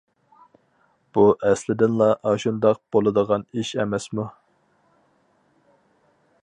بۇ ئەسلىدىنلا ئاشۇنداق بولىدىغان ئىش ئەمەسمۇ!